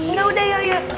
enggak udah yaudah